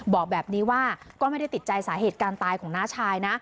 บอกแบบนี้ว่าก็ไม่ได้ติดใจสาเหตุการณ์ตายของน้าชายนะ